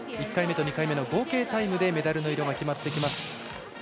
１回目と２回目の合計タイムでメダルの色が決まってきます。